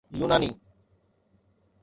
يوناني